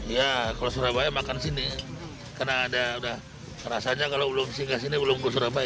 ya kalau surabaya makan sini karena ada rasanya kalau belum singgah sini belum ke surabaya